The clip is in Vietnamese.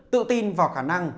tự tin vào khả năng